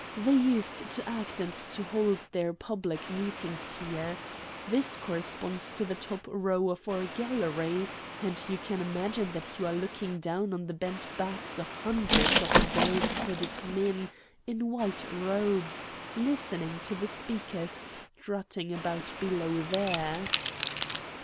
They used to act and to hold their public meetings here. This corresponds to the top row of our gallery, and you can imagine that you are looking down on the bent backs of hundreds of bald headed men in white robes, listening to the speakers strutting about below there."